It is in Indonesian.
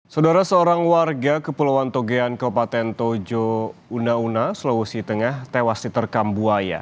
saudara seorang warga kepulauan togean kepulauan tentojo una una sulawesi tengah tewas di terkambuaya